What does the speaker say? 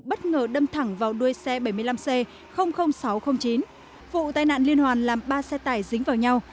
bất ngờ đâm thẳng vào đuôi xe bảy mươi năm c sáu trăm linh chín vụ tai nạn liên hoàn làm ba xe tải dính vào nhau